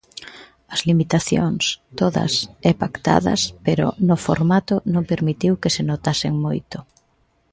As limitacións, todas e pactadas pero mo formato non permitiu que se notasen moito.